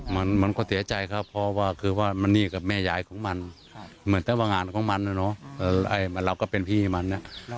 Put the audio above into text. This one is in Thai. มันก็เสียใจครับเพราะว่าคือว่ามันนี่กับแม่ยายของมันเหมือนแต่ว่างานของมันนะเราก็เป็นพี่มัน